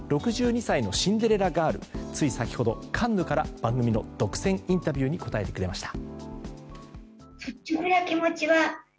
６２歳のシンデレラガールつい先ほど、カンヌから番組の独占インタビューに答えてくれました。